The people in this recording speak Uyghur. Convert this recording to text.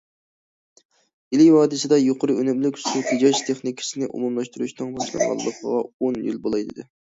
ئىلى ۋادىسىدا يۇقىرى ئۈنۈملۈك سۇ تېجەش تېخنىكىسىنى ئومۇملاشتۇرۇشنىڭ باشلانغىنىغا ئون يىل بولاي دېدى.